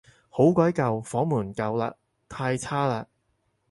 好鬼舊，房門舊嘞，太差嘞